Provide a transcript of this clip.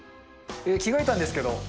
着替えたんですけど。